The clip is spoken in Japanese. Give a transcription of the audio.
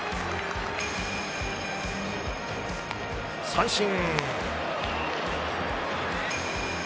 三振。